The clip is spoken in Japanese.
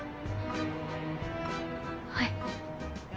はい。